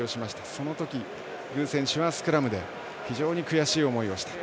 その時、具選手はスクラムで非常に悔しい思いをした。